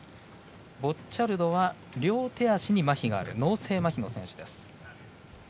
ボッチャルドは両手足にまひがある脳性まひの選手です。